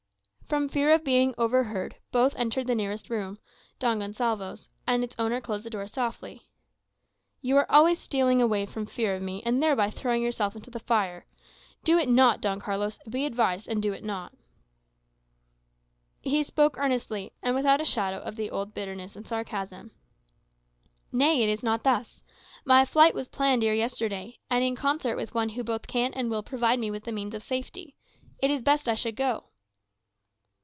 From fear of being overheard, both entered the nearest room Don Gonsalvo's and its owner closed the door softly. "You are stealing away from fear of me, and thereby throwing yourself into the fire. Do it not, Don Carlos; be advised, and do it not." He spoke earnestly, and without a shadow of the old bitterness and sarcasm. "Nay, it is not thus. My flight was planned ere yesterday; and in concert with one who both can and will provide me with the means of safety. It is best I should go."